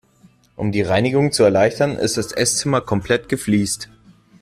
Um die Reinigung zu erleichtern, ist das Esszimmer komplett gefliest.